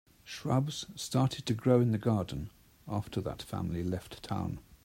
Shrubs started to grow in the garden after that family left town.